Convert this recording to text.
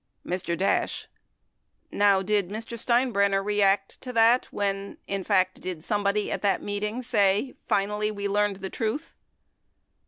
Mr. Dash. Now, did Mr. Steinbrenner react to that when — in fact, did somebody at that meeting say, "Finally, we learned the truth"